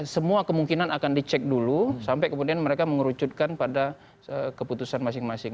semua kemungkinan akan dicek dulu sampai kemudian mereka mengerucutkan pada keputusan masing masing